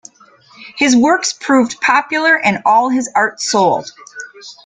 His works proved popular and all his art sold.